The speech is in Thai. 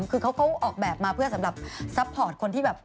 คือเขาออกแบบมาเพื่อสำหรับซัพพอร์ตคนที่แบบ